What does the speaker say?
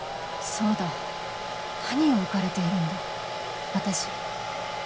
そうだ何を浮かれているんだ、私。